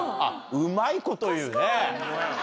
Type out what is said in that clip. うまいこと言うね。